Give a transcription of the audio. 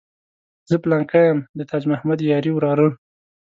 زه پلانکی یم د تاج محمد یاري وراره.